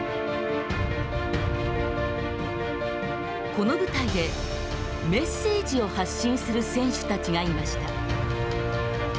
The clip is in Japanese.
この舞台でメッセージを発信する選手たちがいました。